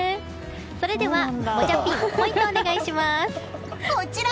それでは、もじゃピンポイントお願いします。